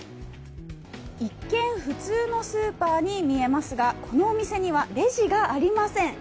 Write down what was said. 一見普通のスーパーに見えますがこのお店にはレジがありません。